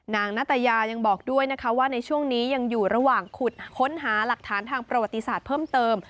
ณัตยายังบอกด้วยนะคะว่าในช่วงนี้ยังอยู่ระหว่างขุดค้นหาหลักฐานทางประวัติศาสตร์เพิ่มเติม